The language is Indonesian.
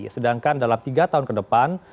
sedangkan dalam tiga tahun ke depan